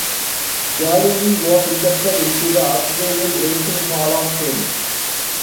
Galilee was inducted into the Australian Racing Hall of Fame.